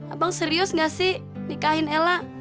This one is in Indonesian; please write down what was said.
abang serius gak sih nikahin ella